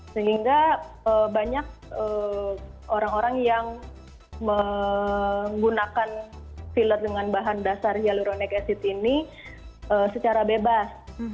sehingga banyak orang orang yang menggunakan filler dengan bahan dasar hyaluronic acid ini secara bebas